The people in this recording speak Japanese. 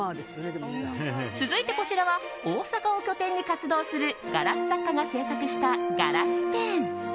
続いてこちらは大阪を拠点に活動するガラス作家が制作したガラスペン。